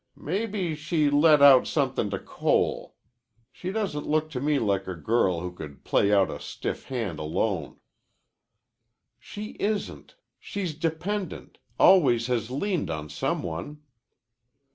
Mebbe she let out somethin' to Cole. She doesn't look to me like a girl who could play out a stiff hand alone." "She isn't. She's dependent always has leaned on some one."